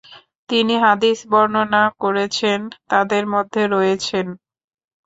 তিনি হাদিস বর্ণনা করেছেন তাদের মধ্যে রয়েছেন: